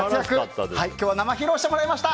今日は生披露してもらいました。